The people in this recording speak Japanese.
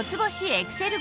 エクセル